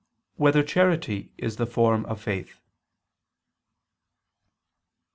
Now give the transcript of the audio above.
3] Whether Charity Is the Form of Faith?